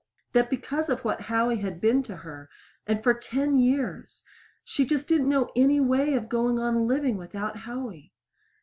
That because of what Howie had been to her and for ten years! she just didn't know any way of going on living without Howie!